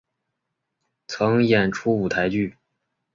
曾演出舞台剧。